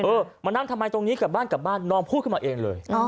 มานั่งทำไมตรงนี้กลับบ้านกลับบ้านน้องพูดขึ้นมาเองเลย